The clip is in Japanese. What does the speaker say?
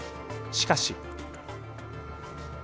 しかし。